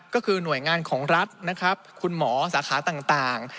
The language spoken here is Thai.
ก็คือหน่วยงานของรัฐนะครับคุณหมอสาขาต่าง